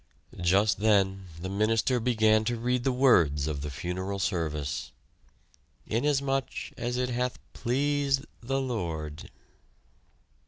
Just then the minister began to read the words of the funeral service: "Inasmuch as it hath pleased the Lord...."